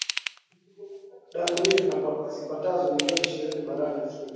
dano hizi zipatazo milioni ishirini barani afrika